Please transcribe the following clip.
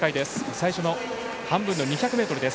最初の半分の２００ｍです。